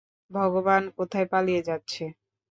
ভগবান কোথায় পালিয়ে যাচ্ছে।